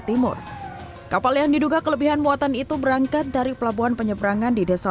timur kapal yang diduga kelebihan muatan itu berangkat dari pelabuhan penyeberangan di desa